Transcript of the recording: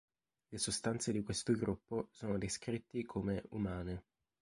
Le sostanze di questo gruppo sono descritti come "umane".